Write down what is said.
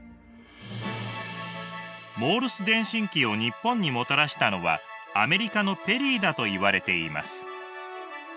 モールス電信機を日本にもたらしたのはアメリカのペリーだといわれています。